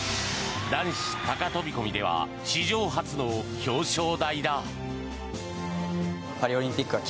男子高飛込では史上初の表彰台だ。